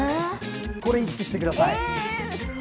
これ意識してください。